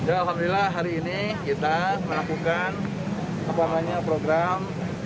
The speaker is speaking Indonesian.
alhamdulillah hari ini kita melakukan program